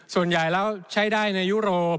ส่วนใหญ่แล้วใช้ได้ในยุโรป